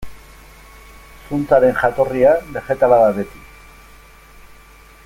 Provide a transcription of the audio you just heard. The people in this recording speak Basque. Zuntzaren jatorria begetala da beti.